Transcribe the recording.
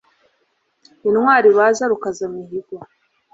Intwari bazi Rukazamihigo